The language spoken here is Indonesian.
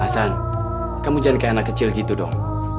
san kamu jangan kayak anak kecil gitu dong